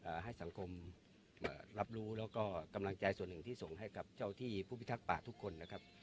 ให้สังคมเอ่อรับรู้แล้วก็กำลังใจส่วนหนึ่งที่ส่งให้กับเจ้าที่ผู้พิทักษ์ป่าทุกคนนะครับ